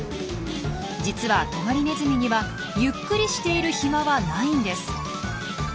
実はトガリネズミにはゆっくりしている暇はないんです。